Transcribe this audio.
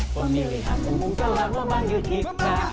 pemilihan umum telah memanggil kita